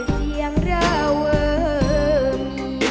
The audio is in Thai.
เสียงราเวิง